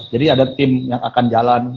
jadi ada tim yang akan jalan